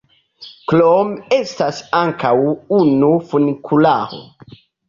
Krome estas ankaŭ unu funikularo.